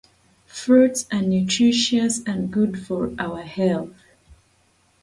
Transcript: For example, cars and gasoline have joint demand because cars require gasoline to operate.